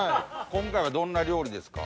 今回はどんな料理ですか？